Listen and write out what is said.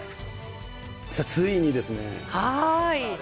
ついにですね。